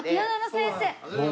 先生